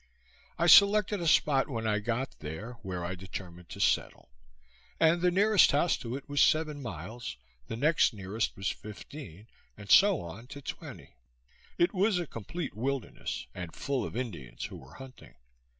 I selected a spot when I got there, where I determined to settle; and the nearest house to it was seven miles, the next nearest was fifteen, and so on to twenty. It was a complete wilderness, and full of Indians who were hunting.